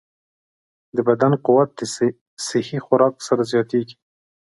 د بدن قوت د صحي خوراک سره زیاتېږي.